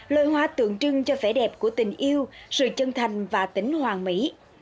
loài hoa tượng trưng cho vẻ đẹp của tình yêu sự chân thành và tính hoàng mỹ